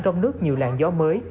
trong nước nhiều làn gió mới